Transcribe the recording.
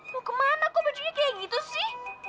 mau kemana aku bajunya kayak gitu sih